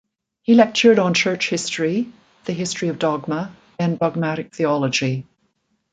He lectured on church history, the history of dogma, and dogmatic theology.